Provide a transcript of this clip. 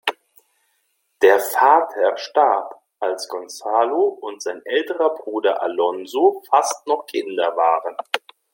Der Vater starb, als Gonzalo und sein älterer Bruder Alonso fast noch Kinder waren.